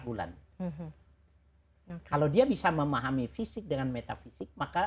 bulan kalau dia bisa memahami fisik dengan metafisik maka